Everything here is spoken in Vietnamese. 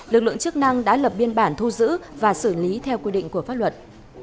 lực lượng chức năng đã lập biên bản thu giữ và xử lý theo quy định của pháp luật